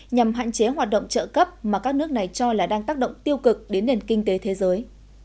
nhằm hạn chế hoạt động trợ cấp mà các nước này cho là đang tác động tiêu cực đến nền kinh tế thế giới